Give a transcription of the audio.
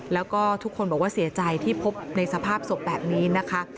แล้วก็ทุกคนบอกว่าเสียใจที่พบในสภาพศพแบบนี้นะคะ